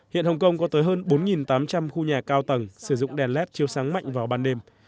hiện hồng kông có tới hơn bốn tám trăm linh khu nhà cao tầng sử dụng đèn led chiều sáng mạnh vào ban đêm